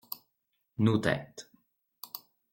Nos têtes.